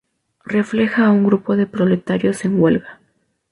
Refleja a un grupo de proletarios en huelga.